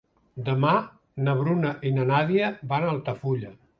Demà na Bruna i na Nàdia van a Altafulla.